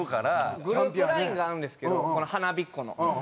グループＬＩＮＥがあるんですけどこの「ハナビッコ」の。